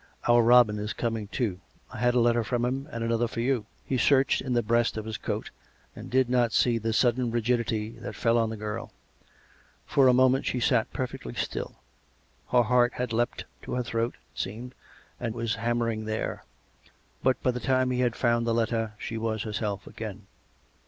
" Our Robin is coming too. I had a letter from him, and another for you." He searched in the breast of his coat, and did not see COME RACK! COME ROPE! 135 the sudden rigidity that fell on the girl. For a moment she sat perfectly still; her heart had leapt to her throat, it seemed, and was hannuering there. ... But by the time he had found the letter she was herself again.